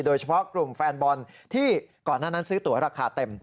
โดยเฉพาะกลุ่มแฟนบอลที่ก่อนหน้านั้นซื้อตัวราคาเต็ม